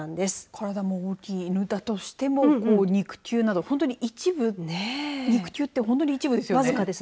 体も大きい犬だとしても肉球など、本当に一部肉球って本当に一部ですよね。